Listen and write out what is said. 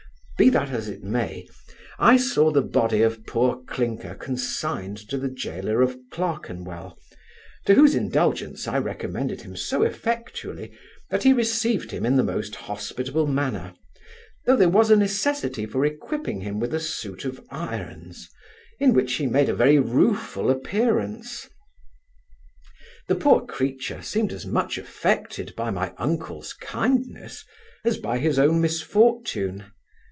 Be that as it may, I saw the body of poor Clinker consigned to the gaoler of Clerkenwell, to whose indulgence I recommended him so effectually, that he received him in the most hospitable manner, though there was a necessity for equipping him with a suit of irons, in which he made a very rueful appearance. The poor creature seemed as much affected by my uncle's kindness, as by his own misfortune.